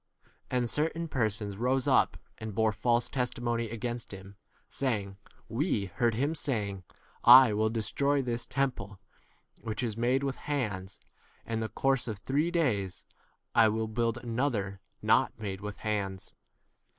5 ? And certain persons rose up and bore false testimony against him, m saying, We heard him saying, I will destroy this temple 2 which is made with hands, and in the conrse of three days I will build another not made with hands.